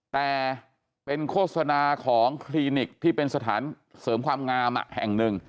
แต่เป็นโฆษณาของคลินิกที่เป็นสถานเสริมความงามแห่งหนึ่ง